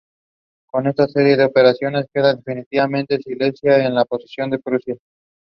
Rest part was played the next day.